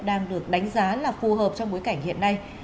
đang được đánh giá là phù hợp trong bối cảnh hiện nay